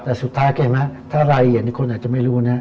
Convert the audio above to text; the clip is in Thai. แต่สุดท้ายเห็นไหมถ้ารายละเอียดคนอาจจะไม่รู้นะ